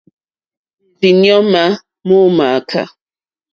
È rzí ɲɔ́ ŋmá mó mááká.